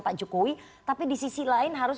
pak jokowi tapi di sisi lain harus